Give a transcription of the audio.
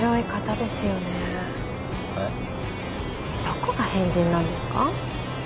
どこが変人なんですか？